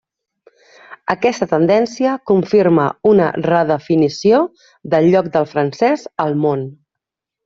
Aquesta tendència confirma una redefinició del lloc del francès al món.